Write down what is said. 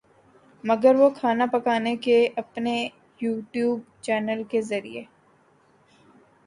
مگر وہ کھانا پکانے کے اپنے یو ٹیوب چینل کے ذریعے